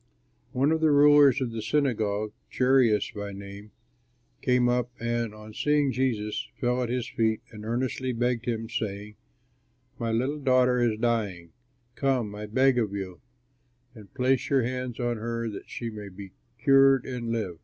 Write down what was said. One of the rulers of the synagogue, Jairus by name, came up, and, on seeing Jesus, fell at his feet and earnestly begged him, saying, "My little daughter is dying; come, I beg of you, and place your hands on her that she may be cured and live."